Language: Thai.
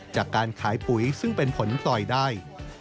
จากการขายปุ๋ยซึ่งเป็นผลต่อได้